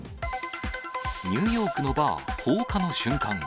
ニューヨークのバー、放火の瞬間。